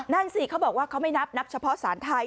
นั่นสิเขาบอกว่าเขาไม่นับนับเฉพาะสารไทย